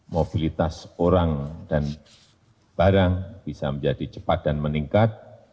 mobilitas orang dan barang bisa menjadi cepat dan meningkat